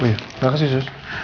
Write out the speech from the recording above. oh iya makasih sus